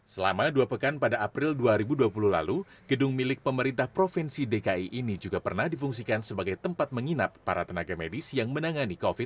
selama dua pekan pada april dua ribu dua puluh lalu gedung milik pemerintah provinsi dki ini juga pernah difungsikan sebagai tempat menginap para tenaga medis yang menangani covid sembilan belas